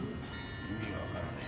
意味分からねえ。